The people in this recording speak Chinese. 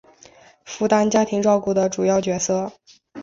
负担家庭照顾的主要角色